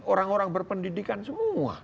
orang orang berpendidikan semua